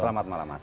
selamat malam mas